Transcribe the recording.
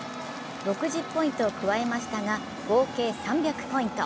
６０ポイントを加えましたが合計３００ポイント。